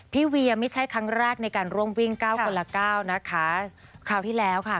พี่เวียนไม่ใช่ครั้งแรกในการร่วมวิ่ง๙คนละ๙นะคะ